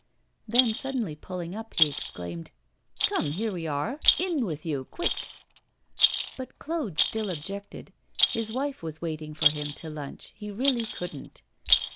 Then suddenly pulling up he exclaimed: 'Come, here we are! In with you, quick!' But Claude still objected. His wife was waiting for him to lunch; he really couldn't.